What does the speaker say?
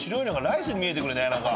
なんかライスに見えてくるね。